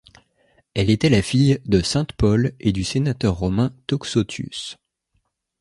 Elle était la fille de sainte Paule, et du sénateur romain Toxotius.